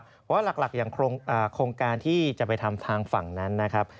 เพราะว่าหลักอย่างโครงการที่จะไปทำทางฝั่งนั้นนะครับ